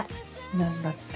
何だって？